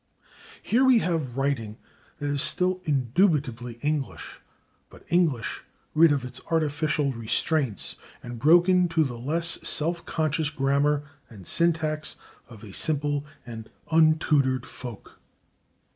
Here we have writing that is still indubitably English, but English rid of its artificial restraints and broken to the less self conscious grammar and syntax of a simple and untutored folk.